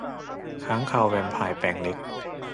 ค้างคาวแวมไพร์แปลงเล็ก